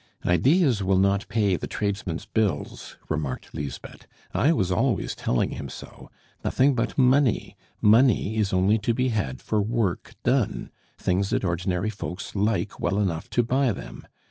"Ideas will not pay the tradesman's bills," remarked Lisbeth. "I was always telling him so nothing but money. Money is only to be had for work done things that ordinary folks like well enough to buy them.